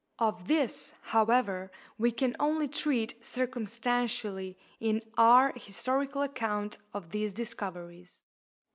Of this, however, we can only treat circumstantially in our historical account of these discoveries.